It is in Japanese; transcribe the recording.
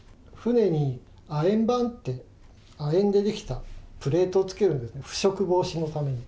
船に亜鉛板って、亜鉛で出来たプレートを付けるんです、腐食防止のために。